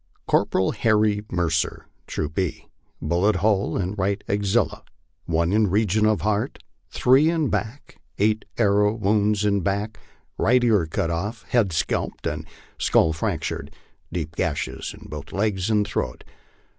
" Corporal Harry Mercer, Troop E, bullet hole in right axilla, one m region of heart, three in back, eight arrow wounds in back, right ear cut off, head scalped, and skull fractured, deep gashes in both legs, and throat cut.